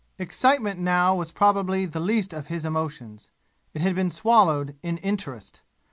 Excitement now was probably the least of his emotions. It had been swallowed in interest.